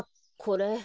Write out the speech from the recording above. これ。